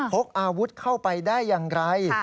พกอาวุธเข้าไปได้อย่างไร